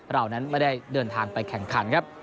เรานั้นไม่ได้เดินทางไปแข่งขันครับ